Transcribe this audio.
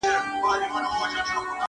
ستا د هجران په تبه پروت یم مړ به سمه-